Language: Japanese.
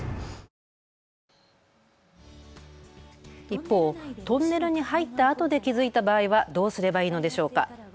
一方、トンネルに入ったあとで気付いた場合はどうすればいいのでしょうか。